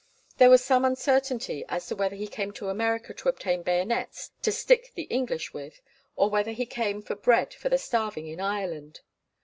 There was some uncertainty as to whether he came to America to obtain bayonets to stick the English with, or whether he came for bread for the starving in Ireland.